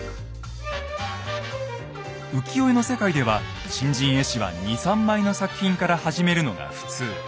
浮世絵の世界では新人絵師は２３枚の作品から始めるのが普通。